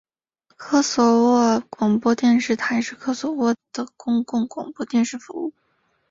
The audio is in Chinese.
科索沃广播电视台是科索沃的公共广播电视服务。